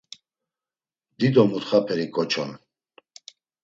Dido mutxaperi ǩoç̌on.